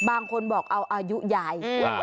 บางคนบอกเอาอายุใหญ่อือ